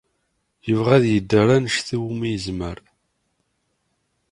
Yebɣa ad yedder anect umi yezmer.